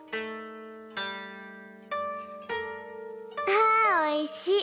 あおいしい。